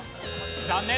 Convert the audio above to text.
残念。